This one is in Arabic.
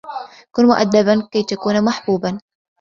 كُنْ مُؤَدَّبًا كَيْ تَكُونَ مَحْبُوبًا.